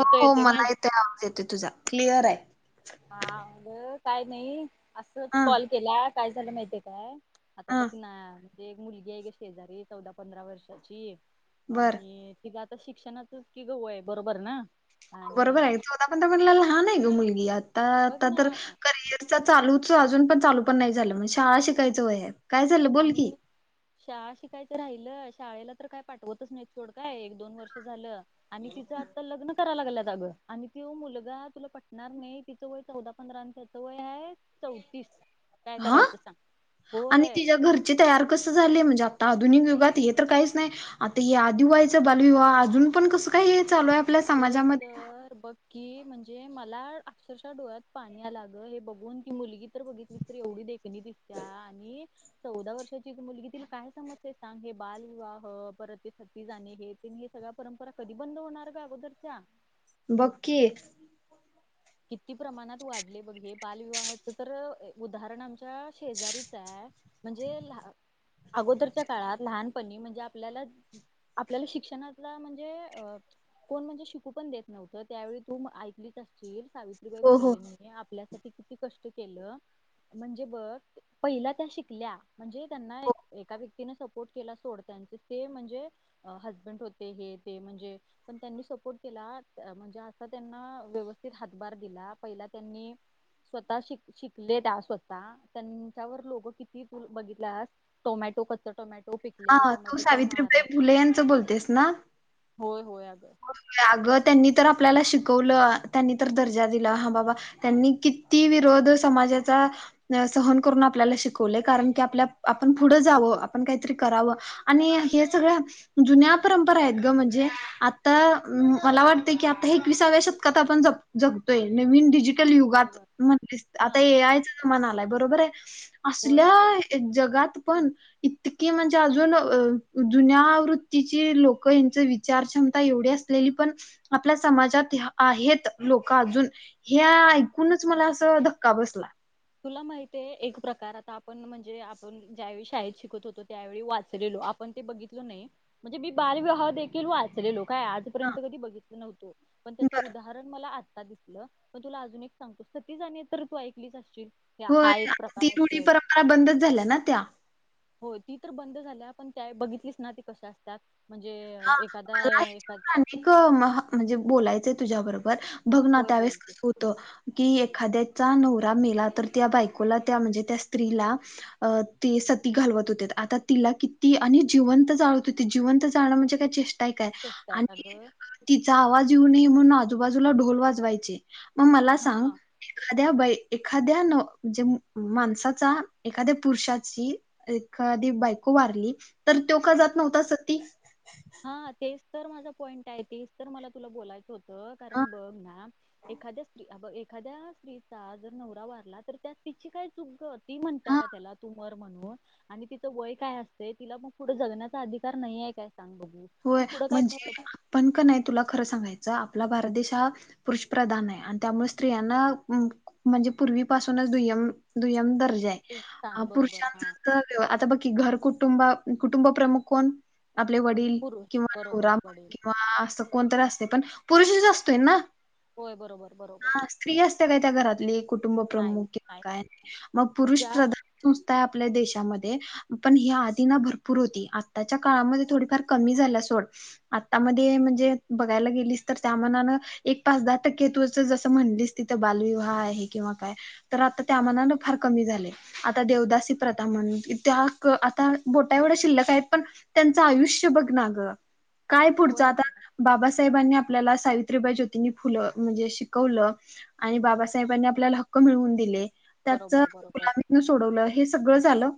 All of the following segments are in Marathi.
हो हो येतोय मला माझ येते आवाज येते तुझा क्लिअर आहे. हालं काय नाही असंच हा कॉल केला काय झालं माहितीय काय. आता बघ हा ना म्हणजे एक मुलगी आहे का शेजारी चौदा पंधरा वर्षाची. बर आणि तिजा आता शिक्षणाातच की ग वय आहे बरोबर ना. बरोबर आणि आहे चौदा पंधरा पण म्हणला लहान आहे ग मुलगी आता आ बघ तर ना करियर. चालूच अजून पण चालू पण नाही झालं म्हजे शाळा शिकायचं वय आहे. काय झालं बोल की आणि शाळा शिकायचं राहिलं, शाळेला तर काय पाठवतच नाही सोड काय एक दोन वर्ष झालं. आणि तिचं आता लग्न करायला लागलात अगं आणि तो मुलगा तुला पटणार नाही तिचं वय चौदा पंधरा आणि त्याच वय आहे, चौतीस काय करायचं सांग होय. ची तयार कसं झाले म्हणजे आता आधुनिक युगात हे तर काहीच नाही, आता हे आदिवायचा बालविवाह अजून पण कसं काय हे चालू आहे? आपल्या तेच समाजामध्ये तर ब की म्हणजे मला अक्षरशः डोळ्यात पाणी आल अग हे बघून की मुलगी तर बघितलीस तर एवढी देखणी दिसत्या आणि चौदा वर्षाची मुलगी तिला काय समजतंय सांग हे बाल विवाह परत ते सती जाणे हे त सगळ्या परंपरा कधी बंद होणार का अगोदरच्या बककी किती प्रमाणात वाढले बघ हे बालविवाहाच तर उदाहरण आम च्या शेजारीचा म्हणजे, अगोदरच्या काळात लहानपणी म्हणजे आपल्याला आपल्याला शिक्षणातला म्हणजे अ कोण म्हणजे शिकू पण देत नव्हतं त्यावेळी तू ऐकलीच सावित्रीबाई हो हो फुलेंनी आपल्यासाठी किती कष्ट केलं, म्हणजे बघ पहिला त्या शिकल्या म्हणजे त्यांना हो एका व्यक्तीने सपोर्ट केला सोड त्यानं ते म्हणजे हजबंड होते हे ते म्हणजे, पण त्यांनी सपोर्ट केला म्हणजे असा त्यांना व्यवस् हातभार दिला पहिला त्यांनी स्वतः शिक शिकले त्या स्वतः त्यांच्यावर लोकं किती बघितलास टोमॅटो कच टोमॅटो हा पिकलेलं तू टोमॅटोचा सावित्रीबाई मारा फुले यांचं बोलतेस ना होय होय अगं अगं त्यांनी तर आपल्याला शिकवलं त्यांनी तर दर्जा दिला हा बाबा त्यांनी किती विरोध समाजाचा सहन करून आपल्याला शिकवले कारण की आपल्या आपण पुढं जावं आपण काहीतरी करावं, आणि हे सगळ्या जुन्या परंपरा आहेत ग म्हणजे आ मला वाटत की आता एकविसाव्या शतकात आपण ज जगतोय नवीन डीजी युगात बरोबर म्हण हा आता ये आय यायचं तर म्हणालाय बरोबर आहे होय असल्या अगं एक जगात पण इतकी म्हणजे अजून जुन्यावृत्तीची लोक यांच विचार क्ष मता एवढी असलेली पण आपल्या समाजात आहेत लोक अजून हे ऐकूनच मला असं धक्का बसला. तुला माहित आहे एक प्रकार आता आपण म्हणजे आपण ज्यावेळी शाळेत शिकत होतो त्यावेळी वाचलेलो पण ते बघितलो नाही. म्हणजे मी बालविवाह देखील वाचलेलो काय आजपर्यंत कधी बघितलं नव्हतो, पण त्याचं उदाहरण मला आत्ता दिसलं मग तुला अजून एक सांगतो सतीज तर तू ऐकलीच असशील या- होय हा एक आता प्रकार ती रुढी असतोय परंपरा बंदच झाल्या ना त्या हो ती तर बंद झाल्या पण त्या बघितलीच ना ती कस असतात म्हणजे एखादा एख एक म्हणजे बोलायचंय तुझ्या बरोबर बघ ना होय त्यावेेळेस बोल की कस होत कि एखाद्याचा नवरा मेला तर त्या बायकोला त्या म्हणजे त्या स्त्रीला अ ते सती घालवत होतीत आता तिला किती आणि जिवंत जाळत होतीत जिवंत, णे का चेष्टा काय, तेच आणि अगं तिचा आवाज येऊ नये म्हणून आजूबाजूला ढोल वाजवायचे मग मला सांग, हा एखाद्या बै एखाद्या न म्हणजे माणसाचा एखाद्या पुरुषाची एखादी बायको वारली तर तो का जात नव्हता सती? हा तेच तर माझा पॉइंट आहे. तेच तर मला तुला बोलायचं होत. हा कारण बघ ना एखाद्या अ एखाद्या स्त्रीचा जर नवरा वारला तर त्या तिची काय चुकं ती म्हणता हा का त्याला तु मर म्हणून आणि तिचं वय काय असते? तिला मग पुढे जगण्याचा अधिकार नाही आहे काय सांग बघू. होय ती पुढं काय म्हणजे प- आपण का नाही तुला खरं सांगायचं आपला भारत देश हा पुरुष प्रधान आहे आणि त्यामुळे स्त्रियांना म्हणजे पूर्वीपासूनच दुयम दुय्यम दर्जा आहे. सांग बरोबर हा पुरुषांचा तर आता बघकी घर कुटुंबा कुटुंब प्रमुख कोण? आपले वडिल पुरुष किंवा बरोबर नवरा म्हण वडील किंवा असं कोणतरी असते. पण पुरुषच असतोय ना? होय बरोबर. बरोबर हा स्त्री असते काय त्या घरातली कुटुंब नाही प्रमुख किंवा नाही काय म पुरुष ज्या प्रधान नुसत आपल्या देशामध्ये पण हि आधी ना भरपूर होती. आताच्या काळामध्ये थोडीफार कमी झाला सोड आतामध्ये म्हणजे बघायला गेलीस तर त्या मनानं एक, पाच, दहा टक्के तु जसं म्हणलीस तिथं बालविवाह आहे किंवा काय तर आता त्या मना फार कमी झालय. आता देवदासी प्रथा म्हण त्या आता बोटा एवढ शिल्लक आहेत पण त्यांचं आयुष्य बघ ना ग काय पुढचं होय आता अग बाबासाहेबांनी आपल्याला सावित्रीबाई ज्योतिंनी फुलं म्हणजे शिकवलं. आणि बाबासाहेबांनी आपल्याला हक्क मिळवून दिले त्याच बरोबर बरोबर गुलामी सोडवलं हे सगळं झालं.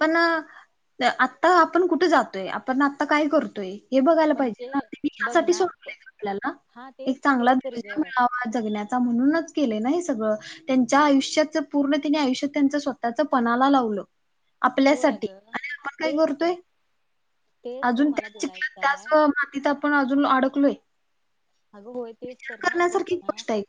पण आता आपण कुठे जातोय, आपण आता काय करतोय? हे बघायला पाहिजे म्हणजे ना मी बघ यासाठी ना प- सोडवले आपल्याला हा तेच एक चांगला तेच तरी ग दर्जा मिळावा जगण्याचा म्हणूनच केले ना हे सगळं. त्यांच्या आयुष्याच पूर्ण तिने आयुष्य त्यांच स्वतःच पणाला लावलं. होय अ आपल्यासाठी ग आणि आपण काय तेच तर. करतोय? तेच तर अजून मला त्याच चिखला बोलायचंय त्याच मातीत आपण अजून आडकलोय. अगं होय तेच तर ना बघ ना आहे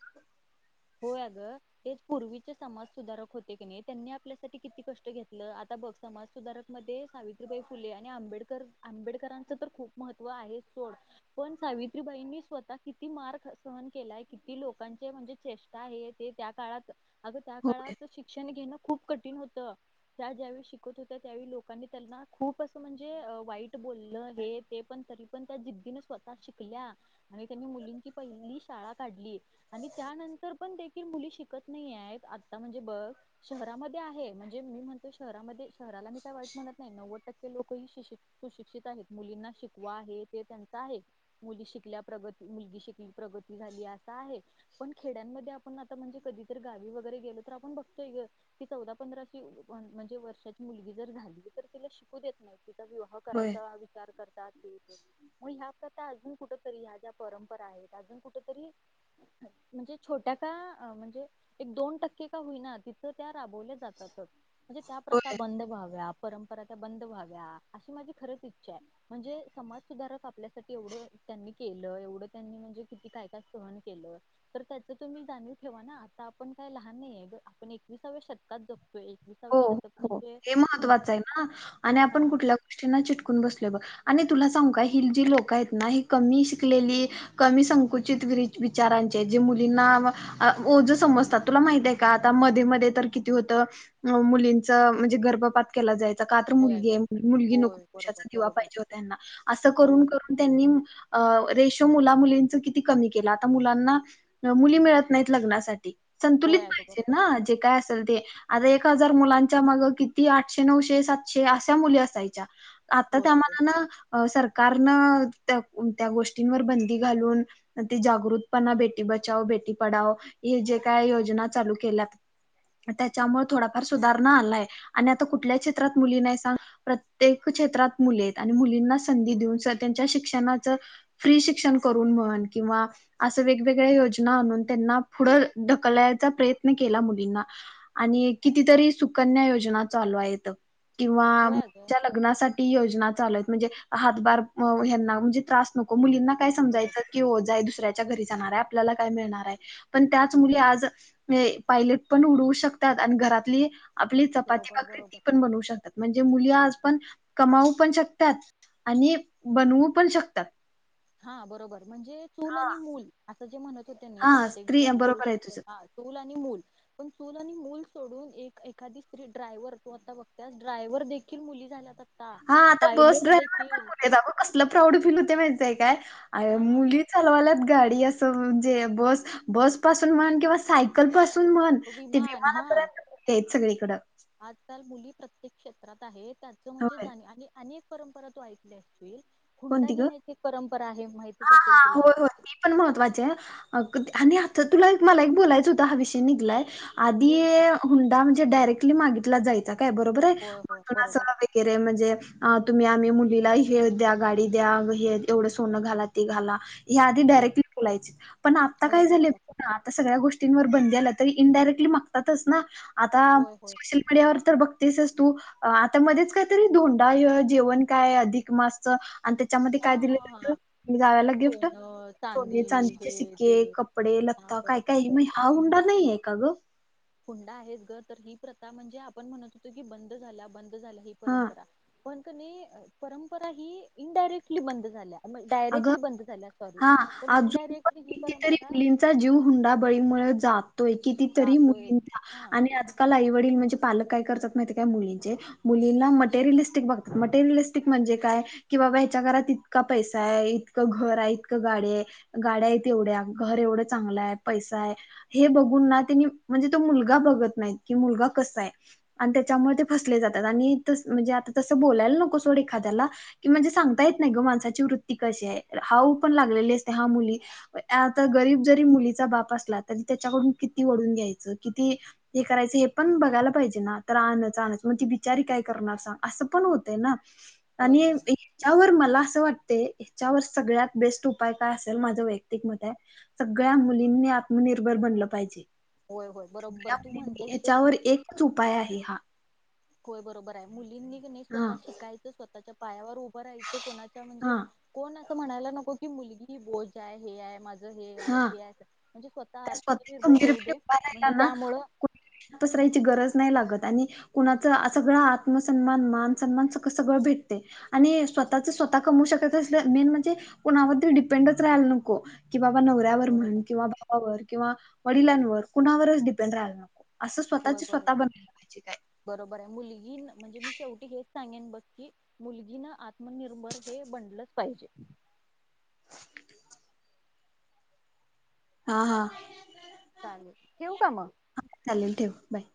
होय आगं. तेच पूर्वीचे समाज सुधारक होते की नाही त्यांनी आपल्यासाठी किती कष्ट घेतलं आता बघ समाज सुधारक मध्ये सावित्रीबाई फुले आणि आंबेडकर आंबेडकरांचं तर खूप महत्त्व आहे सोड पण सावित्रीबाईंनी स्वतः किती मार् सहन केलाय. किती लोकांचे म्हणजे चेष्टा हे ते त्या काळात आगं त्या होय काळात शिक्षण घेणं खूप कठीण होतं. त्या ज्यावेळी शिकत होत्या. त्यावेळी लोकांनी त्यांना खूप असं म्हणजे वाईट बोललं हे ते पण तरी पण त्या जिद्दीने स्वतः शिकल्या आणि त्यांनी मुलींची पहिली शाळा काढली. आणि त्यानंतर पण देखील मुली शिकत नाही आहेत. आता म्हणजे बघ शहरामध्ये आहे म्हणजे मी म्हणतो शहरामध्ये शहराला मी काय वाईट म्हणत नाही नव्वद टक्के लोक ही शिक्षित सुशिक्षित आहेत मुलींना शिकवा हे ते त्यांचा आहे मुली शिकल्या प्रगती मुलगी शिकली प्रगती झाली आसं आहे. पण खेड्यांमध्ये आपण आता म्हणजे कधीतर गावी वगैरे गेलो तर आपण बगतोय ग ती चौदा पंधराची म्हणजे वर्षाची मुलगी जर झाली तर तिला शिकू देत नाही तिचा विवाह होय करायचा विचार करतात. तीते ह्या प्रथा आजून कुठं तर ह्या ज्या परंपरा आहेत. आजून कुटतरी म्हणजे छोट्या का म्हणजे एक दोन टक्के का होईना ति थं त्या राबवल्या जातातच म्हणजे त्या होय प्रथा बंद व्हाव्या परंपरा त्या बंद व्हाव्या अशी माझी खरंच इच्छा आहे. म्हणजे समाज सुधारक आपल्यासाठी एवढं त्यांनी केलं एवढं त्यांनी म्हणजे किती काय काय सहन केलं तर त्याच तुम्ही जाणीव ठेवा ना आता आपण काय लहान नाही ग आपण एकविसाव्या शतकात जगतोय. एकविसाव्या हो शतक हो म्हणजे हे महत्त्वाचं म्हणजे आहे ना आणि आपण हा कुठल्या गोष्टींना चिटकून बसले बघ आणि तुला सांगु का ही जी लोकं आहेत ना ही कमी शिकलेली कमी संकुचित विचारांचे जे मुलींना ओजं समजतात तुला माहिते का आता मध्ये मध्ये तर किती होतं मुलींच म्हणजे गर्भपात केला जायचा का तर होय मुलगी आहे. अगं म्हणून मुलगी नको. होय बरोबर वंशाचा दिवा बरोबर पाहिजे होत त्यांना. असं करून होय करून, त्यांनी रेशो मुला मुलींच किती कमी केला आता मुलांना मुली मिळत नाहीत लग्नासाठी. संतुलित होय अगं पाहिजे बरोबर ना जे काय असेल ते आता एक हजार मुलांच्या माग किती आठशे, नऊशे, सातशे अशा मुली असायच्या. आता त्या होय होय मानान सरकारनं त्या त्या गोष्टींवर बंदी घालून. ती जागृतपणा बेटी बचाओ, बेटी पडाओ हे जे काय योजना चालू केल्यात, त्याच्यामुळे थोडाफार सुधारणा आलाय आणि आता कुठल्या क्षेत्रात मुली नाही सांग? प्रत्येक क्षेत्रात मुली आहेत. आणि मुलींना संधी देऊन त्यांच्या शिक्षणाच फ्री शिक्षण करून म्हण किंवा असं वेगवेगळ्या योजना आणून. त्यांना पुढं ढकलायचा प्रयत्न केला मुलींना. आणि कितीतरी सुकन्या योजना चालू आहेत किंवा होय अगं मुलीच्या लग्ना लग्नासाठी योजना चालू आहेत. म्हणजे हातभार यांना म्हणजे त्रास नको मुलींना काय बरोबर समजायचं कि ओझं आहे. दुसऱ्याच्या घरी जाणार आहे. आपल्याला काय मिळणार आहे. पण त्याच मुली आज हे पायलट पण उडवू शकतात. आणि घरातली आपली चपाती, बरोबर भाकरी बरोबर ती पण बनवू शकतात. म्हणजे मुली आज पण कमावू पण शकतात आणि बनवू पण शकतात. हा बरोबर. म्हणजे चूल आणि मूल असं जे म्हणत होते ना, हा प्रत्येक स्त्री जण बरोबर आहे पुरुष तुझं चूल आणि मूल पण चूल आणि मूल सोडून. एक एखादी स्त्री ड्रायव्हर तू आता बघत्यास ड्रायव्हर देखील मुली झाल्यात आता. हा पायलेट देखील क‌सलं प्राऊड फील होते. माहितीय, काय हा मुली चालवाल्यात गाडी अस जे बस बस पासून म्हणं कीवा साय कल पासून म्हन ते विमान हा विमानापर्यंत मुली आहेत सगळीकडं. आजकाल मुली प्रत्येक क्षेत्रात आहेत त्याचं म्हणजे होय जाणी आणि अनेक परंपरा तु ऐकली असशील. हुंडा कोणती ग घेण्याची परंपरा आहे माहिती हा हा होय होय. पण महत्वाचे आणि आता तुला मला एक बोलायचं होत. हा विषय निघलाय. आधी बोल की हुंडा म्हणजे डायरेक्टली मागितला जायचा काय. बरोबर आहे. होय होय म्हणून अस बरोबर खरं म्हणजे तुम्ही आम्ही मुलीला हे द्या गाडी द्या हे एवढं सोनं घाला. ते घाला. आधी होय डायरेक्टली बोलायचे पण आता होय काय झाले बरोबर आता सगळ्या गोष्टींवर बंदी आल्यात तरी इनडायरेक्टली मागतातच ना. आता होय होय सोशल मीडियावर तर बघतेसस तू. अ आता मध्येच काहीतरी धोंडा जेवण काय अधिक मासच आणि त्याच्यामध्ये हा काय हा दिलेलं हा होतं. अन् जावयाला गिफ्ट सोनं, चांदी चोने हे चांदीचे ते सिक्के कपडे हा लत्ता काय बरोबर काही मग बरोबर. हा हुंडा नाहीय का गं? हुंडा आहेच ग तर, ही प्रथा म्हणजे आपण म्हणत होतो की बंद झाला बंद झाल्या ही हा परंपरा पण कणी परंपरा ही इनडायरेक्टली बंद झाल्या. मग अगं डायरेक्टली बंद झाल्या. सॉरी हा पण इनडायरेक्टली ही परंपरा- मुलीचा जीव हुंडाबळीमुळे जातोय. किती तरी राहतोय मुलींचा हा आणि काल आईवडील म्हणजे पालक काय करतात माहिती का मुलींचे? मुलींना मटेरिलिस्टिक बग मटेरीलिस्टिक म्हणजे काय कि बाबा ह्याच्या घरात ईतका पैसा आहे. इतकं घर आहे. इतकं गाडी आहे. गाड्या आहेत एवढ्या, घर एवढं चांगलं आहे. पैसा आहे. हे बघून ना त्यांनी म्हणजे तो मुलगा बघत नाहीत की मुलगा कसा आहे. आणि त्याच्यामुळे ते फसले जातात आणि त म्हणजे आता तसं बोलायला नको सोड एखाद्याला की म्हणजे सांगता येत नाही ग. माणसाची वृत्ती कशी आहे हाऊ पण लागलेली असते हा मुली आता गरीब जरी मुलीचा बाप असला तरी, त्याच्याकडून किती वडून घ्यायचं किती हे करायचं. हे पण बघायला पाहिजे ना. तर आणच आणच मग ती बिचारी काय करणार स असं पण होतय ना. आणि होय ग. याच्यावर मला असं वाट ते हच्यावर सगळ्यात बेस्ट उपाय काय असेल माझं वैयक्तिक मत आहे सगळ्या मुलींनी आत्मनिर्भर बनलं पाहिजे. होय होय बरोबर तू म्हणतेस ते याच्यावर एकच उपाय आहे हा होय बरोबर आहे मुलींनी नाही हा स्वतः शिकायचं स्वतःच्या पायावर उभं राहायचं कोणाच्या म्हणजे हा कोण असं म्हणायला नको की मुलगी बोज आहे हे आहे माझ हे आहे हा ते म्हणजे स्वतः त्या आत्मनिर्भर होऊ खंबीरपणे दे उभा राहिला म्हणजे ना त्यामुळ कुणाला पसरायची गरज नाही लागत आणि कुणाचं सगळं आत्मसन्मान मान सन्मान स सगळं भेटते आणि स्वतःच स्वतः कमवू शकत अस मेन म्हणजे कुणावर त डिपेंडच राहायला नको कि बाबा नवऱ्यावर म्हण बरोबर किंवा भावावर किंवा वडिलांवर कुणावरच डिपेंड राहायला नको. असं होय स्वतःची बरोबर स्वतः बनायला पाहिजेल आहे बरोबर आहे मुलगी म्हणजे मी शेवटी हेच सांगेन बघ की मुलगीन आत्मनिर्भर हे बनलंच पाहिजे. [inaudible] हा हा चालेल ठेऊ का मग? हा चालेल ठेव बाय